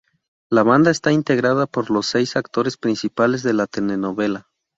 La banda está integrada por los seis actores principales de la telenovela.